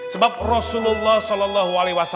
sebab rasulullah saw